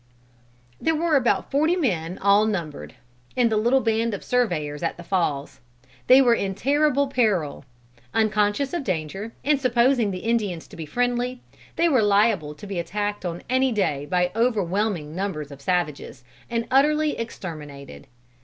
There were about forty men all numbered, in the little band of surveyors at the Falls. They were in terrible peril. Unconscious of danger, and supposing the Indians to be friendly, they were liable to be attacked on any day by overwhelming numbers of savages, and utterly exterminated.